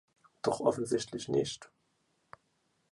Doch offensichtlich nicht.